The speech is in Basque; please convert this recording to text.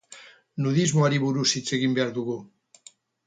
Nudismoari buruz hitz egin behar dugu.